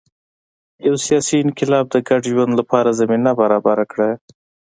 یو سیاسي انقلاب د ګډ ژوند لپاره زمینه برابره کړه